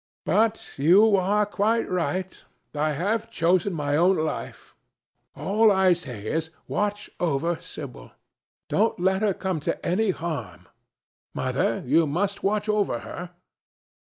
"But you are quite right. I have chosen my own life. All I say is, watch over Sibyl. Don't let her come to any harm. Mother, you must watch over her."